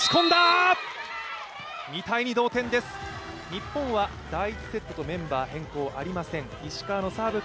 日本は第１セットとメンバーは変更ありません。